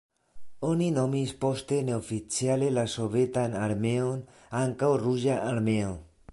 Oni nomis poste neoficiale la Sovetan Armeon ankaŭ Ruĝa Armeo.